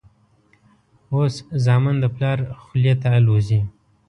اوس زامن د پلار خولې ته الوزي.